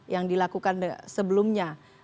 yang dilakukan sebelumnya